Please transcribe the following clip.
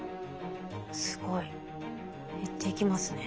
すごい。減っていきますね。